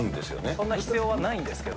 そんな必要はないんですけど。